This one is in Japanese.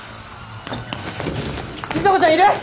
里紗子ちゃんいる？